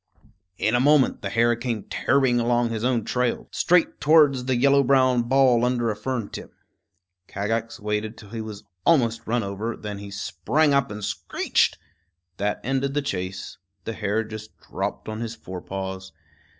In a moment the hare came tearing along on his own trail straight towards the yellow brown ball under a fern tip. Kagax waited till he was almost run over; then he sprang up and screeched. That ended the chase. The hare just dropped on his fore paws.